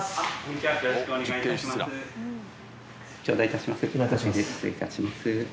頂戴いたします